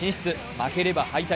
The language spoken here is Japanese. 負ければ敗退。